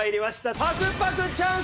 パクパクチャンスです！